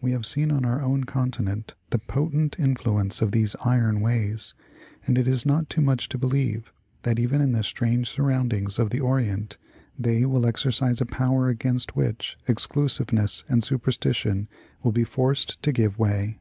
We have seen on our own continent the potent influence of these iron ways, and it is not too much to believe that even in the strange surroundings of the Orient they, will exercise a power against which exclusiveness and superstition will be forced to give way.